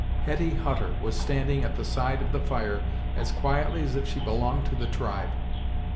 Hetty Hutter was standing at the side of the fire as quietly as if she belonged to the tribe.